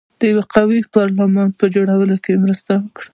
د یوه قوي پارلمان په جوړېدو کې مرسته وکړه.